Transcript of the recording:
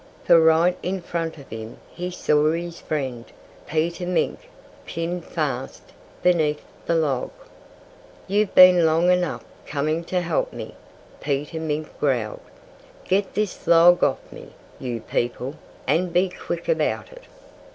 For right in front of him he saw his friend. Peter Mink, pinned fast beneath the log. "You've been long enough coming to help me!" Peter Mink growled. "Get this log off me you people and be quick about it!"